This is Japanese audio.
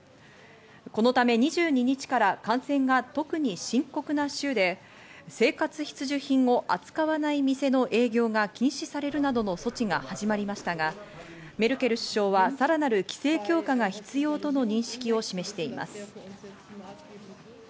このため２２日から感染が特に深刻な州で生活必需品を扱わない店の営業が禁止されるなどの措置が始まりましたが、メルケル首相はさらなる規制強化が必要との認識を示しています。